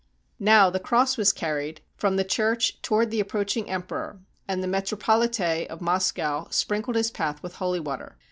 Now the cross was carried from the church toward the approaching emperor, and the Metropohte of Moscow sprinkled his path with holy water.